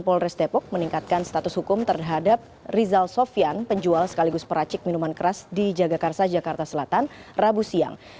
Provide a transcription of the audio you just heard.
polres depok meningkatkan status hukum terhadap rizal sofian penjual sekaligus peracik minuman keras di jagakarsa jakarta selatan rabu siang